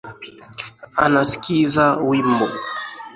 Anaskiza wimbo